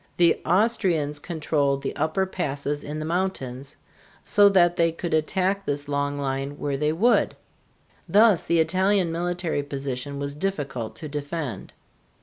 The Austrians controlled the upper passes in the mountains, so that they could attack this long line where they would. Thus the Italian military position was difficult to defend.